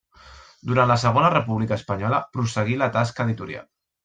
Durant la Segona República Espanyola prosseguí la tasca editorial.